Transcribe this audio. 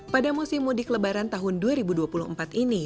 pada musim mudik lebaran tahun dua ribu dua puluh empat ini